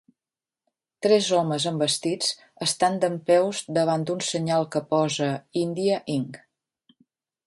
Tres homes amb vestits estan dempeus davant d'un senyal que posa India Inc.